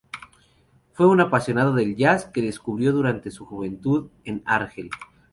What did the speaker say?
Fue un apasionado del jazz, que descubrió durante su juventud en Argel.